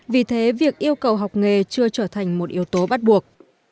vì thế việc yêu cầu học nghề chưa trở thành một yếu tố bắt buộc